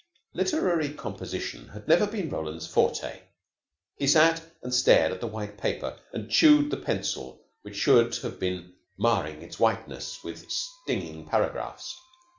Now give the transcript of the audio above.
Literary composition had never been Roland's forte. He sat and stared at the white paper and chewed the pencil which should have been marring its whiteness with stinging paragraphs.